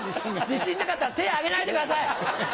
自信なかったら手挙げないでください！